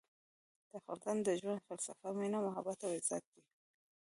د افغان د ژوند فلسفه مینه، محبت او عزت دی.